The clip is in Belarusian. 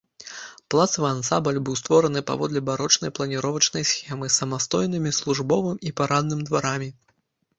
Палацавы ансамбль быў створаны паводле барочнай планіровачнай схемы, з самастойнымі службовым і парадным дварамі.